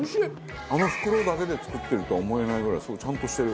あの袋だけで作ってるとは思えないぐらいちゃんとしてる。